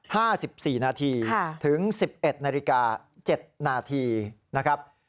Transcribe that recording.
ห้าสิบสี่นาทีค่ะถึงสิบเอ็ดนาฬิกาเจ็ดนาทีนะครับ